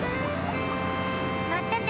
またね！